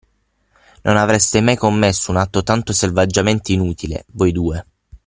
Non avreste mai commesso un atto tanto selvaggiamente inutile, voi due.